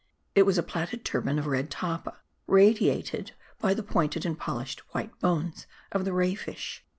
It was a plaited turban of red tappa, radiated by the pointed and polished white bones of the Ray fish.